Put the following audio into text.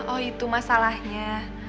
oh itu masalahnya